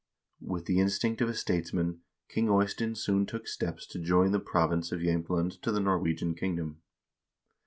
With the instinct of a statesman King Eystein soon took steps to join the province of Jsemtland to the Norwegian kingdom.